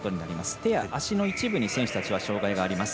手や足の一部に選手たちは障がいがあります。